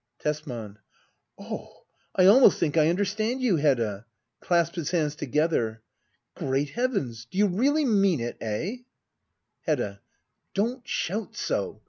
Tesman, Oh, I almost think I understand you, Hedda ! [Clasps his hands together,] Great heavens ! do you really mean it ! £h } Hedda. Don't shout so.